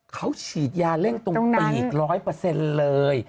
เขาฉีดยาเร่งตรงปีก๑๐๐เลย